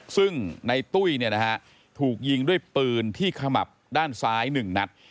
ซึ่งนายตุ้ยเนี่ยนะฮะถูกยิงด้วยปืนที่ขมับด้านซ้ายหนึ่งนัด